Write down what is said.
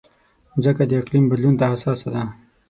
مځکه د اقلیم بدلون ته حساسه ده.